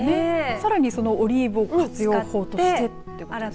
さらにオリーブを活用法としてってことですよね。